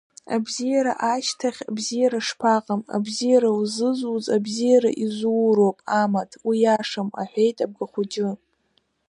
Абзиара ашьҭахь бзиара шԥаҟам, абзиара узызуз абзиара изууроуп, амаҭ, уиашам, — аҳәеит абгахәыҷы.